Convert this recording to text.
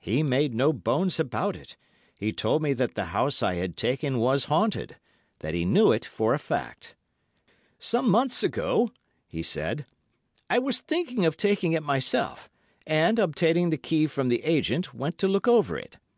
He made no bones about it; he told me that the house I had taken was haunted—that he knew it for a fact. "'Some months ago,' he said, 'I was thinking of taking it myself, and, obtaining the key from the agent, went to look over it.